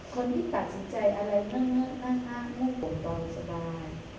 คนที่ตัดสินใจอะไรเมื่อนั่งอ้างง่วงปวงต่อสบาย